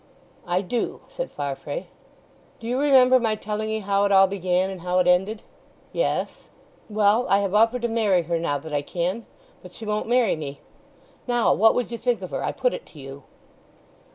"I do," said Farfrae. "Do you remember my telling 'ee how it all began and how it ended? "Yes." "Well, I have offered to marry her now that I can; but she won't marry me. Now what would you think of her—I put it to you?"